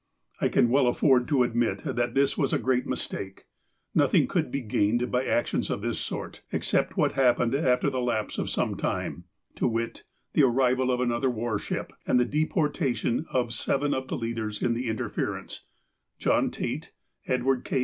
I can well afford to admit that this was a great mistake. Nothing could be gained by actions of this sort, except what happened after the lapse of some time, to wit : the arrival of another war ship, and the deportation of seven of the leaders in the interference : John Tait, Edward K.